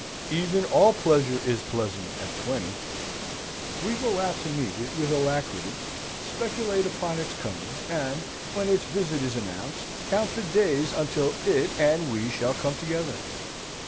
Even all pleasure is pleasant at twenty. We go out to meet it with alacrity, speculate upon its coming, and when its visit is announced, count the days until it and we shall come together.